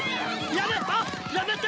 やめて！